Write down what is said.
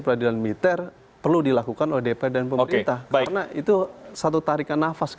peradilan militer perlu dilakukan oleh dpr dan pemerintah karena itu satu tarikan nafas